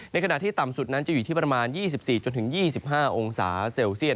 ขณะที่ต่ำสุดนั้นจะอยู่ที่ประมาณ๒๔๒๕องศาเซลเซียต